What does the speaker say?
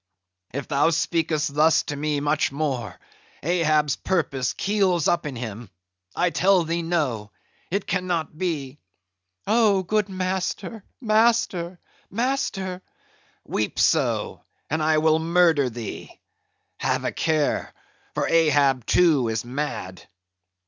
"If thou speakest thus to me much more, Ahab's purpose keels up in him. I tell thee no; it cannot be." "Oh good master, master, master! "Weep so, and I will murder thee! have a care, for Ahab too is mad.